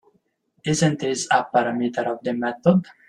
Isn’t this a parameter of the method?